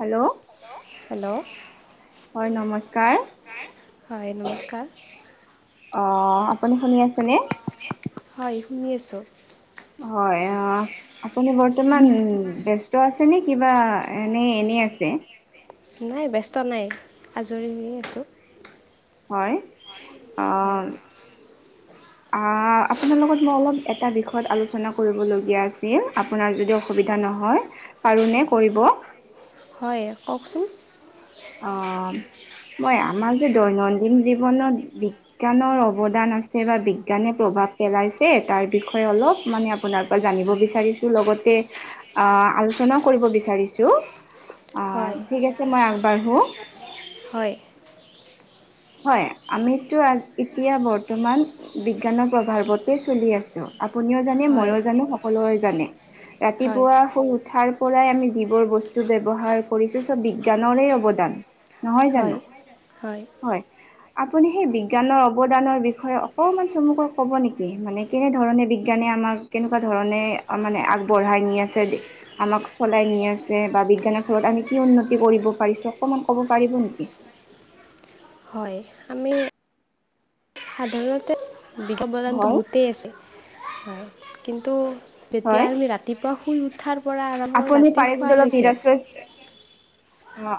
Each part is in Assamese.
হেল্ল' হেল্ল' হয় নমস্কাৰ হয় নমস্কাৰ আহ আপুনি শুনি আছে ন হয় শুনি আছো হয় অ আপুনি বৰ্তমান ব্যস্ত আছে আ নে কিবা এনে এনে আছে নাই ব্যস্ত নাই আজৰি হৈয়ে আছোঁ হয় হয় অ আপোনাৰ লগত মই অলপ এটা বিষয়ত আলোচনা কৰিবলগীয়া আছিল আপোনাৰ যদি অসুবিধা নহয় পাৰোনে কৰিব হয় কওকচোন অ মই আমাৰ যে দৈনন্দিন জীৱনত বিজ্ঞানৰ অৱদান আছে বা বিজ্ঞানে প্ৰভাৱ তাৰ বিষয়ে অলপ মানে আপোনাৰ পৰা জানিব বিচাৰিছোঁ লগতে আলোচনা কৰিব বিচাৰিছো হয় ঠিক আছে মই আগবাঢ়ো হয় হয় আমিতো এতিয়া বৰ্তমান বিজ্ঞানৰ প্ৰভাৱতে চলি আছো আপুনিও জানে হয় মইও জানো সকলোৰে জানে হয় ৰাতিপুৱা শুই উঠাৰ পৰাই আমি যিবোৰ বস্তু ব্যৱহাৰ কৰিছো চব বিজ্ঞানৰে অৱদান নহয় হয় জানো হয় আপুনি সেই বিজ্ঞানৰ অৱদানৰ বিষয়ে অকমান চমুকৈ ক'ব নেকি মানে কেনেধৰণে বিজ্ঞান মে আমাক কেনেকুৱা ধৰণে মানে আগবঢ়াই নি আছে আমাক চলাই নি আছে বা বিজ্ঞানৰ ফলত আমি কি উন্নতি কৰিব পাৰিছো অকমান ক'ব পাৰিব নেকি হয় আমি সাধাৰণতে বিজ্ঞানৰ অৱদানটো হয়। বহুতেই আছে কিন্তু তেতিয়া হয়, আমি ৰাতিপুৱা শুই উঠাৰ পৰা আৰম্ভ কৰি আপুনি ৰাতি পাৰে যদি অলপ শোৱালৈকে নিৰাশ্ৰয় অ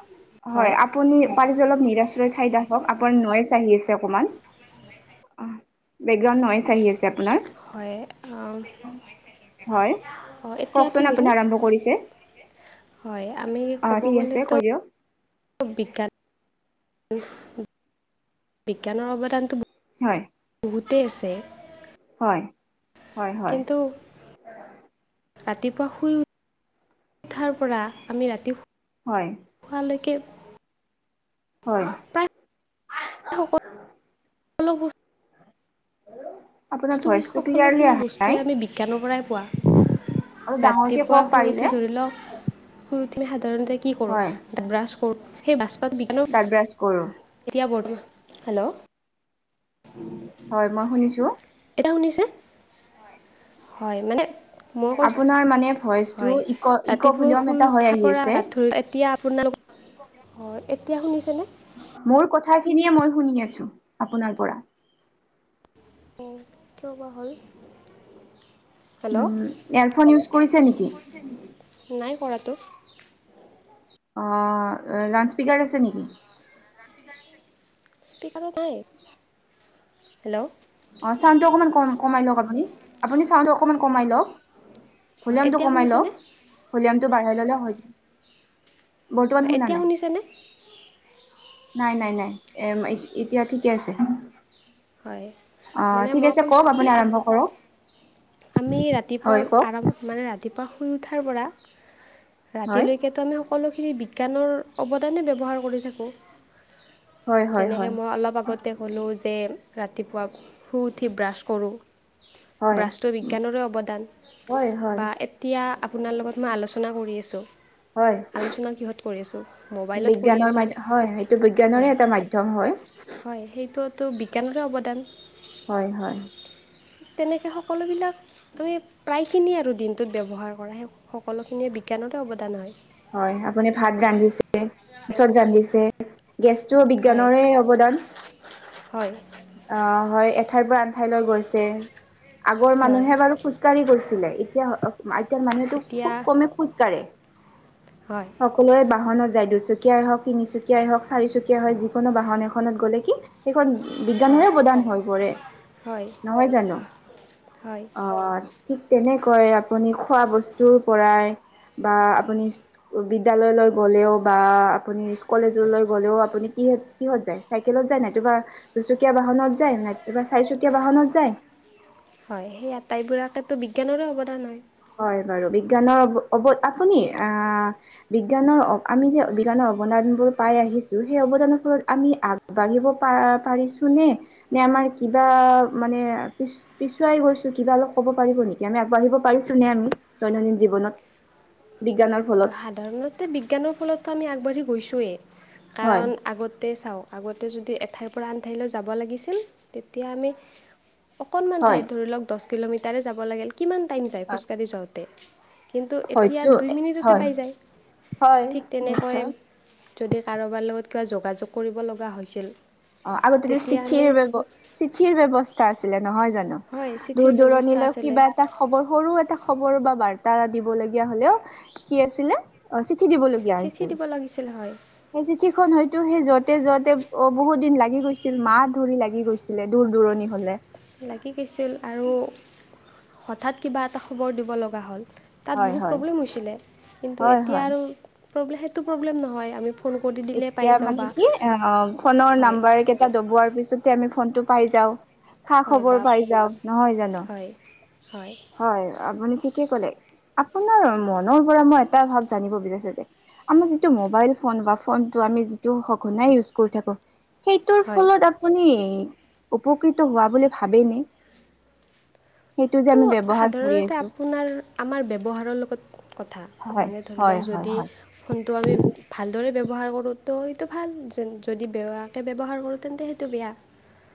হয় আপুনি পাৰি যে অলপ নিৰাশ্ৰয় ঠাইড ক আপোনাৰ নয়েছ আহি আছে অকণমান অ বেকগ্ৰাউণ্ড নয়েচ আহি আছে আপোনাৰ হয় হয় অঁ এতিয়া ঠিক কওকচোন হৈছেনে আপুনি আৰম্ভ কৰিছে হয় আমি অ', ক'ব ঠিক আছে গ'লেতো কৈ দিয়ক, বিজ্ঞান বিজ্ঞানৰ অৱদানটো হয় গোতেই আছে হয় হয় হয় কিন্তু ৰাতিপুৱা শুই উঠাৰ পৰা আমি ৰাতি হয় শ শোৱালৈকে হয় অলপ। হ [unintelligible] বস্তু সকলোখিনি বস্তুৱে আমি বিজ্ঞানৰ পৰাই পোৱা। অলপ ডাঙৰকে ৰাতিপুৱা কওক শুই পাৰিলে উঠি ধৰি লওক শুই উ। থমি সাধাৰণতে কি কৰোঁ হয় ব্ৰাছ কৰোঁ সেই বাজপাত বিঘন দাঁত ব্ৰাছ কৰোঁ এতিয়া বৰ্ত। হেল্ল'। হয় মই শুনিছোঁ এটায়া শুনিছে হয় মানে। মই কৈছো আপোনাৰ মানে ভইচটো হয় ইক ইক' ৰাতিপুৱা ভলিউম এটা শুই হৈ উঠাৰ আহি পৰা আছে ৰা এতিয়া আপোনাৰ [unintelligible] অ এতিয়া শুনিছা নে? মোৰ কথাখিনিয়ে মই শুনি আছো আপোনাৰ পৰা। কিয় বা হ'ল। হেল্ল' উম এয়াৰফোন ইউজ কৰিছে নেকি নাই কৰাটো। লাণ্ড স্পীকাৰ আছে নেকি। স্প নাই হেল্ল'। অ চাউডটো অকমান কমাই লওক আপুনি আপুনি চাউটো অকমান কমাই লওক। হয় ভলিউমটো এতিয়া কমাই লওক শুনিছেনে ভলিউমটো বাঢ়াই ল'লে হয়। বৰ্তমান হয় শুনা এতিয়া নাই শুনিছেনে নাই নাই নাই। এ এতিয়া ঠিকে আছে। হয় অ', মানে ঠিক মই আছে কওক কৈছোঁ কি। আপুনি আৰম্ভ কৰক। আমি ৰাতিপুৱা হয় কওক। আৰাম মানে ৰাতিপুৱা শুই উঠাৰ পৰা। হয়, ৰাতিলৈকেতো আমি সকলোখিনি বিজ্ঞানৰ অৱদানেই ব্যৱহাৰ কৰি থাকোঁ। হয়, হয়, হয়, যেনেকে মই অলপ আগতে ক'লোঁ। তে ৰাতিপুৱা শুই উঠি ব্ৰাছ কৰোঁ। হয়। ব্ৰাছটো বিজ্ঞানৰে অৱদান হয়, হয়। বা এতিয়া আপোনাৰ লগত মই আলোচনা কৰি আছোঁ। হয় আলোচনা কিহত কৰি আছোঁ মোবাইলত কৰি বিজ্ঞানৰ আছোঁ মাধ হয় সেইটো হয় বিজ্ঞানৰে এটা মাধ্যয়ম হয়। হয় সেইটোতো বিজ্ঞানৰে অৱদান। হয় হয়। তেনেকৈ সকলোবিলাক আমি প্ৰায়খিনিয়ে আৰু দিনটোত ব্যৱহাৰ কৰা সেই সকলোখিনিয়ে। কেনতে অৱদান হয়। হয় আপুনি ভাত গান্ধিছে পচত গান্ধিছে। গেছটো হয় বিজ্ঞানৰে অৱদান হয় অ হয়। আঠাইৰ পৰা আনঠাইলৈ গৈছে আগৰ হয় মানুহে বাৰু খোজকাঢ়ি গৈছিলে এতিয়া। এতিয়য়া মানুহেটো এতিয়া খুব কমে খোজ কঢ়ে। হয় সকলোৱে বাহন যায় দু। তিচুকীয়াই হওক তিনিচুকীয়াই হওক চাৰিচুকীয়াই হক যিকোনো বাহন এখনত গ'লে কি সেইখন। হয় বিজ্ঞানৰে প্ৰদান হৈ পৰে হয় নহয় জানো হয় আহ ঠিক। তেনেকৈ আপুনি খোৱা বস্তুৰ পৰাই বা আপুনি। বিদ্যয়ালয়লৈ গলেও বা আপুনি কলেজলৈ গলেও আপুনি কি কিহত যায় চেল। য নাইতোবা দুচকীয়া বাহনত যায় নাইবা চাৰিচুকীয়া বাহনত যায়। হয় সেইয়া আটাইবোৰাকো বিজ্ঞানৰে অৱদান হয়। হয় বাৰু বিজ্ঞানৰ অ আপুনি আহ বিজ্ঞানৰ আমি যে বিজ্ঞানৰ। অবদানবোৰ পাই আহিছো সেই অবদান বোৰ আমি আগবাঢ়িব পাৰিছো নে নে। আমাৰ কিবা মানে পিছুৱাই গৈছো কিবা অলপ ক'ব পাৰিব নেকি আমি আগবাঢ়িব। পাৰিছো নে আমি দৈনন্দিন জীৱনত। বিজ্ঞানৰ ফলত সাধাৰণতে বিজ্ঞানৰ ফলতো আমি আগবাঢ়ি গৈছোঁৱেই হয় কাৰণ আগতে চাওঁ। আগতে যদি এঠাইৰ পৰা আন ঠাইলৈ যাব লাগিছিল তেতিয়া আমি। অকণমান হয় ঠাইত ধৰি লওক দহ কিলোমিটাৰে যাব লাগিল কিমান টাইম যায় খোজকাঢ়ি যাওঁতে। কিন্তু এতিয়া হয়তো দুই মিনিটতে। হয় পায় জাই হয় ঠিক তেনেকৈ নিশ্চয় যদি কাৰোবাৰ লগত কিবা যোগাযোগ কৰিব লগা হৈছিল আৰু তেতিয়া চিঠিৰ ব্যব চিঠিৰ ব্যৱস্থা আ নহয় জানো হয় চিঠিৰ দূৰ ব্যৱস্থা দূৰণিলৈ আছিলে কিবা এটা খবৰ সৰু এটা খবৰ বা বাৰ্তা এ দিব লগগীয়া হলেও অ কি আছিলে চিঠি দিবলগীয়া চিঠি হৈছিল দিব লাগিছিল হয় সেই চিঠিখন হয়তো সেই যতে যতে বহুত দিন লাগি গৈছিল মাহ ধৰি লাগি গৈছিলে দূৰ দূৰণি হলে। লাগি গৈছিল আৰু হঠাৎ কিবা এটা খবৰ দিব লগা হ'ল তাত হয় বহুত হয় প্ৰব্লেম হৈছিলে কিন্তু হয় এতিয়া হয় আৰু প্ৰব্লেম সেইটো প্ৰব্লেম নহয় আমি ফোন কৰি দিলে পাই এতিয়া যাওঁ মানে বা কি অ ফোনৰ হয় নাম্বাৰ কেইটা দবোৱাৰ পিছেতে আমি ফনটো পাই যাও খা হয় বা খবৰ পাই যাও নহয় জানো? হয় হয় আপুনি ঠিকে ক'লে। আপোনাৰ মনৰ পৰা মই এটা ভাব জানিব বিচাৰিছো যে আমাৰ যিটো মোবাইল ফোন বা ফোনটো আমি যিটো সঘনাই ইউজ কৰি থাকো সেইটোৰ হয় ফলত আপুনি উপকৃত হোৱা বুলি ভাবে নে সেইটো যে তো আমি ব্যৱহাৰ কৰি সাধাৰণতে আছো আপোনাৰ আমাৰ ব্যৱহাৰৰ লগত কথা হয় মানে ধৰি হয় লওক হয় যদি হয় ফোনটো আমি ভাল পা দৰে ব্যৱহাৰ কৰোঁ তো সেইটো ভাল যেন যদি বেয়াকৈ ব্যৱহাৰ কৰোঁ তেন্তে সেইটো বেয়া।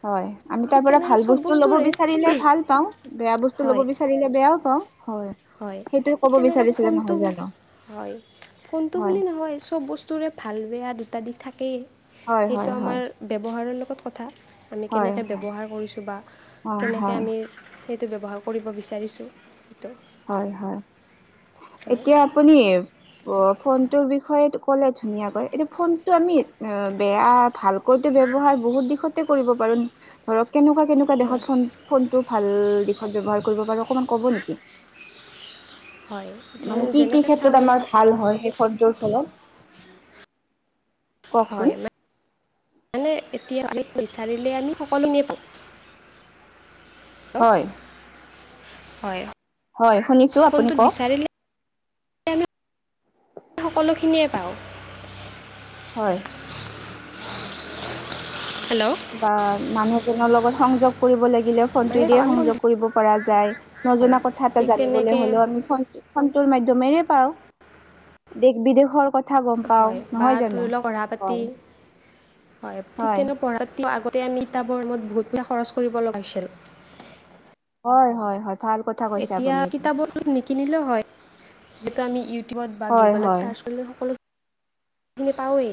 হয় আমি তাৰ ঠিক পৰা তেনেকৈ ভাল চব বস্তু লব বস্তুৰে বিচাৰিলে ভাল পাও। বেয়া বস্তু লব হয় বিচাৰিলে বেয়া পাওঁ। হয় হয় সেইটো ক'ব তেনেকা বিচাৰিছিলে ফোনটো নহয় জানো হয় ফোনটো হয় বুলি নহয় চব বস্তুৰে ভাল বেয়া দু তা দিশ থাকেই হয় সেইটো হয় হয় আমাৰ ব্যৱহাৰৰ লগত কথা। আমি হয় কেনেকৈ হয় ব্যৱহাৰ কৰিছোঁ বা হয় কেনেকৈ হয় আমি সেইটো ব্যৱহাৰ কৰিব বিচাৰিছোঁ সেইটো হয় হয়। হয় এতিয়া আপুনি অ ফোনটোৰ বিষয়ে ক'লে ধুনীয়াকৈ এতিয়া ফোনটো আমি অ বেয়া ভালকৈ ব্যৱহাৰ বহুত দিশতে কৰিব পাৰো ধৰক কেনেকুৱা কেনেকুৱা দেশত ফোন ফোনটো ভাল দিশত ব্যৱহাৰ কৰিব পাৰো অকমান ক'ব নেকি? হয় এতিয়া মানে কি কি যেনেকৈ চাওঁ ক্ষেত্ৰত আমাৰ ভাল হয় সেই ফনটোৰ ফলত? কওকচোন? হয় ম মানে এতিয়া বিচাৰিলে আমি সকলো নেপ হয়। হয়। হয় শুনিছো আপুনি ফোনটোত কওক। বিচাৰিলে আমি সকলোখিনিয়ে পাওঁ। হয়। হেল্ল' বা মানুহজনৰ লগত সংযোগ কৰিব লা গিলে মানে ফোনটোৱেদি আমি ফোন সংযোগ কৰিব পৰা যায় হয় নজনা কথা এটা ঠিক জানিবলৈ তেনেকৈ হ'লেও আমি ফ ফনটোৰ মা ধ্যমেৰে পাৰ দেশ বিদেশৰ কথা গম পাও হয় বা নহয় জানো? ধৰি লওক কঢ়া পাতি হয়। হয় ঠিক তেনে পঢ়ত আমি কিতাপৰ বহুত টকা খৰচ কৰিব লগা হৈছিল। হয় হয় হয়। ভাল কথা কৈছে এতিয়া আপুনি এইটো। কিতাপৰ নিকিনিলেও হয়। যিটো আমি ইউটিউবত বা হয়, গুগলত হয়, ছাৰ্চ কৰিলে সকলো পাৱেই।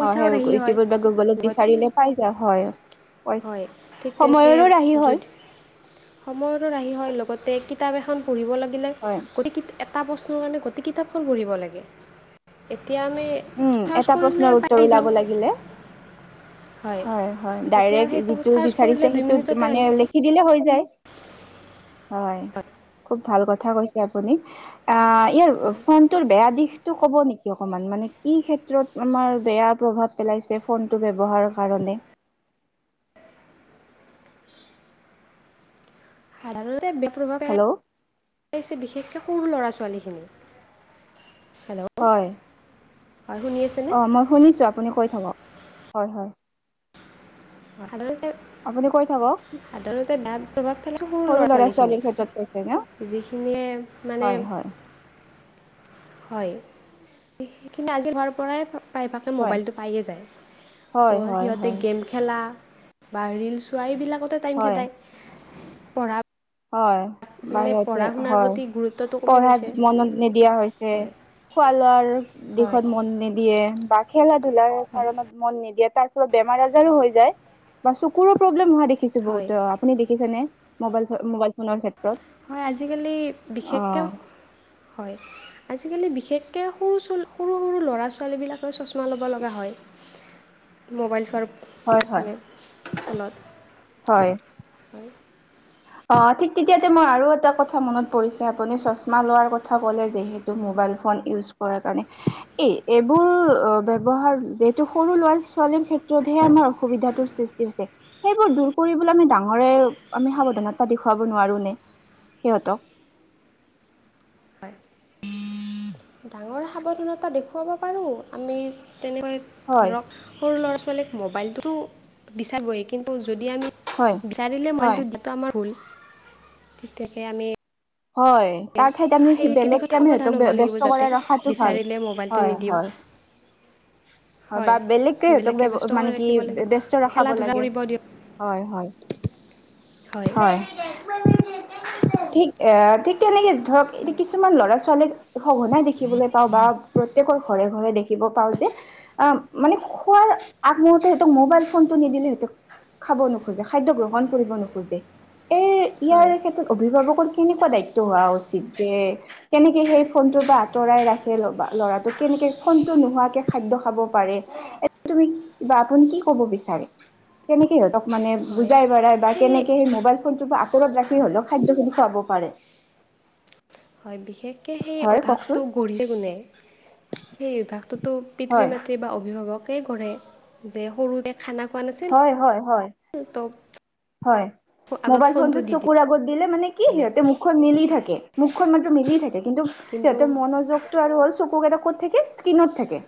হয় সেই ইউটিউবত বা গুগলত বিচাৰিলে পাই যোৱা হয়। হয় ঠিক তেনেকে সময়ৰো ৰাহি হয়, যদি সময়তো ৰাহি হয় লগতে কিতাপ এখন পঢ়িব লাগিলে হয়, এটা প্ৰশ্নৰ কাৰণে গতিেই কিতাপখন পঢ়িব লাগে এতিয়া আমি উম চাৰ্চ এটা কৰিলে প্ৰশ্নৰ উত্তৰ পাই ওলাব যাওঁ লাগিলে। হয় হয় এতিয়া ডাইৰেক্ট সেইটো যিটো চাৰ্চ কৰিলে বিচাৰিছে দুই সেইটোত মিনিটতে মানে আহি যায় লিখি দিলে হৈ যায় হয় খুব ভাল কথা কৈছে আপুনি আ ইয়াৰ ফোনটোৰ বেয়া দিশটো কব নেকি অকমান মানে ই ক্ষেত্ৰত আমাৰ বেয়া প্ৰভাৱ পেলাইছে ফোনটো ব্যৱহাৰৰ কাৰণে [inaudible] সাধাৰণতে বেয়া প্ৰভাৱ হেল্ল'? পেলাইছে বিশেষকে সৰু ল'ৰা ছোৱালীখিনি হেল্ল' হয় হয় শুনি আছেনে অ মই শুনিছো আপুনি কৈ থাকক হয় হয় [unintelligible] সাধাৰতে আপুনি কৈ থাকক বেয়া প্ৰভাৱ থেলে সৰু ল'ৰা ছোৱালীৰ ক্ষেত্ৰত কৈছে ন ছোৱালীখিনি যিখিনিয়ে মানে হয় হয় [inaudible] হয় সেই কিন্তু আজি ঘৰ পৰাই প্ৰায়ভাগে হয় মোবাইলটো পায়ে যায় তো হয় হয় সিহঁতে হয় গেম খেলা বা ৰিল ছোৱা এইবিলাকতে টাইম হয় খেদায় পঢ়া হয় মানে বাহিৰতে পঢ়া শুনাৰ হয় প্ৰতি গুৰুত্বটো কমি গৈছে পঢ়াত মনত নিদিয়া হৈছে হয় খোৱা লোৱাৰ হয় দিশত মন নিদ দিয়ে বা খেলা ধূলাৰ হয় কাৰণত মন নিদিয়াত তাৰ পিছত বেমাৰ আজাৰো হৈ যায় বা চকুৰো প্ৰব্লেম হোৱা দেখিছো হয় বহুত আপুনি দেখিছেনে মবাইল ফ মোবাইল ফোনৰ ক্ষেত হয় আজিকালি বিশেষকৈ হয় আজিকালি বিশেষকৈ সৰু সৰু সৰু ল'ৰা ছোৱালীবিলাকে চশমা ল'ব লগা হয় মোবাইল চোৱাৰ হয় হয় মানে ফলত হয়। [inaudible] অ ঠিক তেতিয়াতে মই আৰু এটা কথা মনত পৰিছে আপুনি চশমা লোৱাৰ কথা কলে যিহেতু ম- ম'বাইল ফোন ইউজ কৰা কাৰণে এই এইবোৰ অ ব্যৱহাৰ এইটো সৰু ল'ৰা ছোৱাল- ক্ষেত্ৰতহে আমাৰ অসুবিধাৰ সৃষ্টি হৈছে সেইবোৰ দূৰ কৰিবলৈ আমি ডাঙৰে আমি সাৱধানতা দেখুৱাব নোৱাৰো নে সিহঁতক? হয় ডাঙৰ সাৱধানতা দেখুৱাব পাৰো আমি তেনেকৈ হয় ধৰক সৰু ল'ৰা ছোৱালী মবাইলতো বিচাবই কিন্তু যদি আমি হয় বিচাৰিলে হয় মবাইলটো দিয়াটো আমাৰ ভুল। তেহে আমি হয়। তাৰ ঠাইত আমি সেই দিশত বেলেগকে আমি সাৱধান স হ'ব লাগিব ব্যস্ত যাতে কৰি ৰখাটো ভাল বিচাৰিলে মোবাইলটো হয় নিদিওঁ হয়। [inaudible] হয় বা বেলেগকে হেতক বেলেগকৈ ব্যস্ত কৰি মানে কি ৰাখিব লাগিব ব্যস্ত ৰখাব খেলা ধূলা লাগে কৰিব দিয়ক হয় হয়। হয় ঠিক ঠিক তেনেকে ধৰক এতি হয় কিছুমান ল'ৰা ছোৱালীক সঘনাই দেখিবলৈ পাওঁ বা প্ৰত্যকৰ ঘৰে ঘৰে দেখিব পাওঁ যে অ মানে খোৱাৰ আগমূহৰতে সিহঁতক মোবাইল ফোনতটো নিদিলে সিহঁতে খাব নোখোজে খাদ্য গ্ৰহণ কৰিব নোখোজে এই হয় ইয়াৰ ক্ষেত্ৰত অভিভাৱকৰ কেনেকুৱা দায়িত্ব হোৱা উচিত যে কেনেকে সেই ফোনটোৰ পৰা আঁতৰাই ৰাখে লব ল'ৰাটোক কেনে ফোনটো নোহোৱাকে খাদ্য খাব পাৰে তুমি ক বা আপুনি কি কব বিচাৰে কেনেকে সিহঁতক মানে হয় বুজাই বঢ়াই বা কেনেক- সেই মোবাইল ফোনটোৰ পৰা আঁতৰত ৰাখি হলেও খাদ্য খিনি খুৱাব পাৰে। হয় বিশেষকে সেই হয় অভ্যাসটো কওকচোন গঢ়িলে কেনে সেই অভ্যাসটোত তো পিতৃ হয় মাতৃ বা অভিভাৱকে কৰে যে সৰুতে খানা খোৱা নাছিল হয় হয় হয় ত হয় মোবাইল ফোনটো চকুৰ আগত দিলে মানে কি দিলে সিহঁতে মুখখন মিলি থাকে মুখখন মাত্ৰ মিলি থাকে কিন্তু সিহঁতৰ মনোযোগতটো আৰু হ'ল চকুকেইটা কত থাকে, স্কিনত থাকে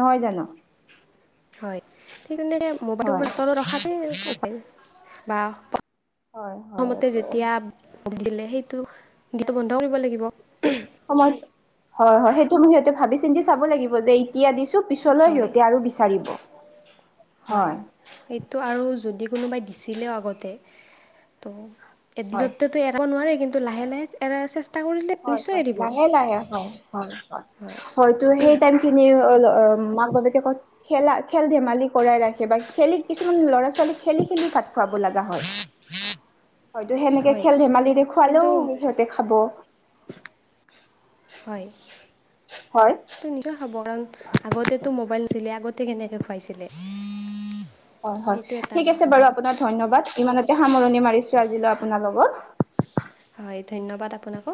নহয় জানো! হয় সেটো মানে মোবাইলটো হয় হাতত ৰখাতে উপায় বা হয় হয় প্ৰথমতে যেতিয়া দিলে সেইটো দিটো বন্ধ কৰিব লাগিব সময় হয় হয় সেইটো মোৰ সিহঁতে ভাবি চিন্তি চাব লাগিব যে তিয়া দিছোঁ পিছলৈ হয় সিহঁতে আৰু বিচাৰিব। হয় সেইটো আৰু যদি কোনোবাই দিছিলেও আগতে, ত' হয় এদিনতো এৰাব নোৱাৰে কিন্তু লাহে লাহে এৰাৰ চেষ্টা কৰিলে হয় নিশ্চয় হয় এৰিব লাহে লাহে হয় হয় হয়, হয়টো‌ সেই টাইমখিনি অ ল মাক বাপেকে ক খেলা খেল ধেমালি কৰাই ৰাখে বা খেলি কিছুমান ল'ৰা ছোৱালী খেলি খেলি ভাত খুৱাব লগা হয়। হয়তো সেনেকে হয় খেল ধেমালিৰে খুৱালেও কিন্তু সিহঁতে খাব। হয়, হয় ত নিজ খাব কাৰণ আগতেটো মোবাইল নাছিলে, আগতে কেনেকে খুৱাইছিলে? হয় তো হয় সেইটো এটা ঠিক আছে বাৰু আপোনাৰ ধন্যবাদ ইমানতে সামৰণি মাৰিছো আজিলৈ আপোনাৰ লগত হয় ধন্যবাদ আপোনাকো।